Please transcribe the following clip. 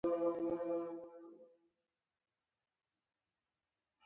د اسونو ساتنه د نجیبوالي نښه ده.